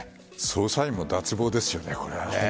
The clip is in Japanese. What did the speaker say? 捜査員も脱帽ですよね。